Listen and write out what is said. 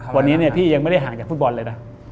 วันนี้พี่ยังไม่ได้ห่างจากฟุตบอลเลยนะ